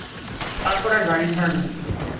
তারপর আর বাড়িঘর নাই।